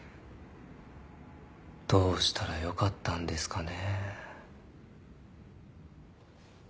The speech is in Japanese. どうしたらよかったんですかね。